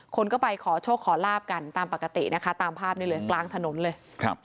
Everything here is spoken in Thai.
คนก็ไปขอโชคขอลาบกันตามปกตินะคะตามภาพนี้เลยกลางถนนเลยครับ